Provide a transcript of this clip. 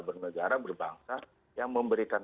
bernegara berbangsa yang memberikan